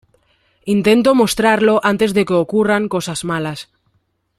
Intento mostrarlo antes de que ocurran cosas malas.